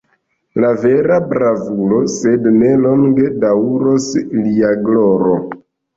Vera bravulo, sed ne longe daŭros lia gloro!